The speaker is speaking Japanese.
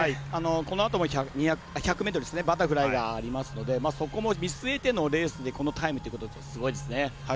このあとも１００ｍバタフライがありますのでそこも、見据えてのレースでこのタイムはすごいですね。